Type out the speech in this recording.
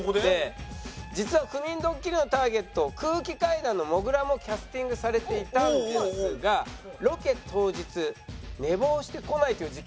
実は不眠ドッキリのターゲット空気階段のもぐらもキャスティングされていたんですがロケ当日寝坊して来ないという事件が。